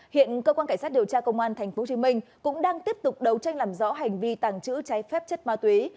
hiện cơ quan cảnh sát điều tra công an tp hcm cũng đang tiếp tục đấu tranh làm rõ hành vi tàng trữ trái phép chất ma túy